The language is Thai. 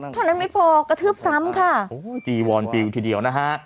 เท่านั้นไม่พอกระทืบซ้ำค่ะโอ้โหจีวอนปิวทีเดียวนะฮะ